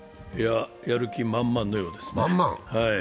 やる気満々のようですね。